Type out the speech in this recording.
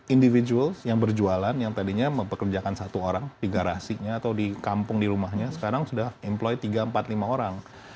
individual yang berjualan yang tadinya mempekerjakan satu orang di garasinya atau di kampung di rumahnya sekarang sudah employ tiga empat lima orang